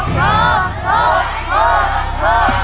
ผิด